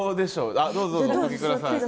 あっどうぞどうぞお掛け下さい。